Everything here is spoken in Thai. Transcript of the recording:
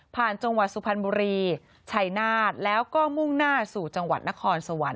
จังหวัดสุพรรณบุรีชัยนาฏแล้วก็มุ่งหน้าสู่จังหวัดนครสวรรค